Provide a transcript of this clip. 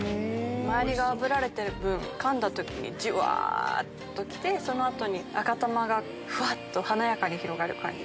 周りがあぶられてる分かんだ時にじゅわっと来てその後に赤タマがふわっと華やかに広がる感じ。